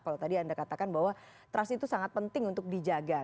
kalau tadi anda katakan bahwa trust itu sangat penting untuk dijaga